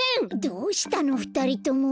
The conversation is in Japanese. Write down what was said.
どうしたのふたりとも。